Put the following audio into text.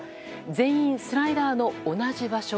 全員スライダーの同じ場所。